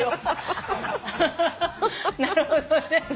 なるほどね。